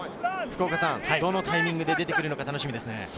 どのタイミングで出てくるか楽しみですね。